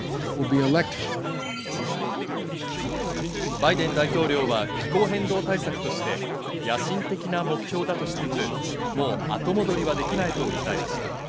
バイデン大統領は気候変動対策として野心的な目標だとしつつ、もう後戻りはできないと訴えました。